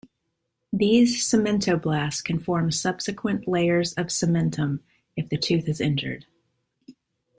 These cementoblasts can form subsequent layers of cementum if the tooth is injured.